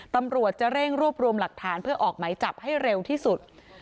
ตำรวจจะเร่งรวบรวมหลักฐานเพื่อออกไหมจับให้เร็วที่สุด